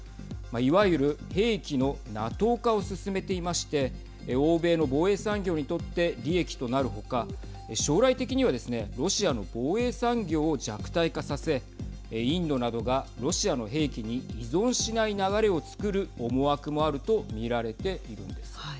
いわゆる兵器のＮＡＴＯ化を進めていまして欧米の防衛産業にとって利益となるほか将来的にはですねロシアの防衛産業を弱体化させ、インドなどがロシアの兵器に依存しない流れをつくる思惑もあるとみられているんです。